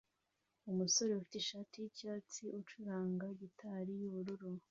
Umusore ufite ishati yicyatsi acuranga gitari yubururu